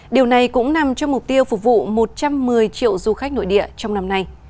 điều này cũng nằm trong mục tiêu phục vụ một trăm một mươi triệu du khách nội địa trong năm nay